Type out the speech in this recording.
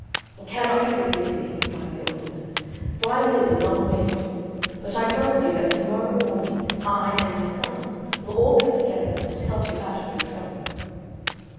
"It cannot be this evening," replied the old woman, "for I live a long way off; but I promise you that to morrow morning I and my sons will all come together and help you out of your trouble."